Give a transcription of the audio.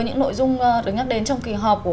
những nội dung được nhắc đến trong kỳ họp của